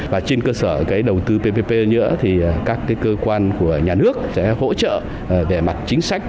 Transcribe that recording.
và trên cơ sở đầu tư ppp nhỡ các cơ quan của nhà nước sẽ hỗ trợ về mặt chính sách